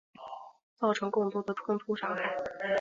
造成更多冲突伤害